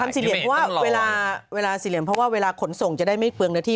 สี่เหลี่ยมเพราะว่าเวลาสี่เหลี่ยมเพราะว่าเวลาขนส่งจะได้ไม่เปลืองเนื้อที่